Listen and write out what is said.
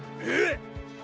えっ！？